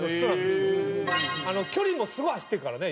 距離もすごい走ってるからね。